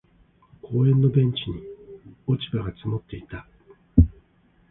公園のベンチに落ち葉が積もっていた。